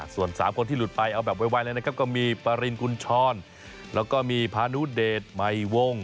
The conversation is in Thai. ส่วน๓คนที่หลุดไปเอาแบบไวเลยนะครับก็มีปรินกุญชรแล้วก็มีพานุเดชใหม่วง